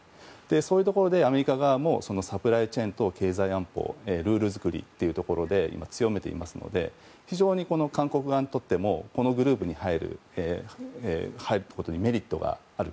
そういうところでアメリカ側もサプライチェーン等経済安保のルール作りというところで強めているので非常に韓国側にとってもこのグループに入るってことにメリットがある。